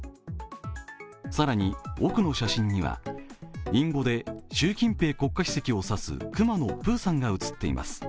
更に奥の写真には、隠語で習近平国家主席を指すくまのプーさんが写っています。